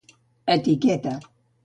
Etiqueta: